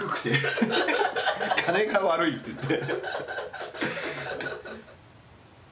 「金が悪い」って言って。